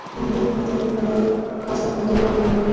মহেন্দ্র মাতার পায়ের কাছে মাথা রাখিয়া পা ধরিয়া পড়িয়া রহিল।